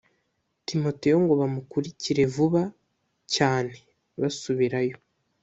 timoteyo ngo bamukurikire vuba cyane basubirayo